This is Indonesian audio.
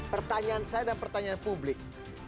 pertanyaan saya dan pertanyaan publik